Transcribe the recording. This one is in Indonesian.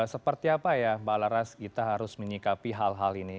seperti apa ya mbak laras kita harus menyikapi hal hal ini